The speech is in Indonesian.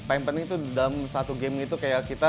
apa yang penting tuh dalam satu game gitu kayak kita